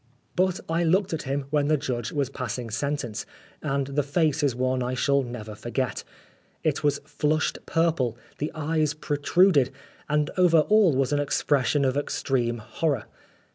But I looked at him when the judge was passing sentence, and the face is one I shall never forget. It was flushed purple, the eyes protruded, and over 190 Oscar Wilde all was an expression of extreme horror.